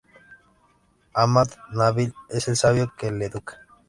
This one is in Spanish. Ahmad b. Nabil es el sabio que le educa.